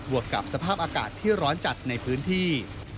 วกกับสภาพอากาศที่ร้อนจัดในพื้นที่